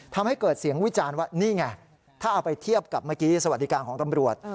ทำให้เกิดเสียงวิจารณ์ว่านี่ไงถ้าเอาไปเทียบกับเมื่อกี้สวัสดิการของตำรวจ